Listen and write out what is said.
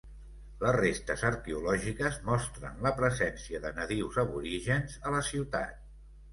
Les restes arqueològiques mostren la presència de nadius aborígens a la ciutat.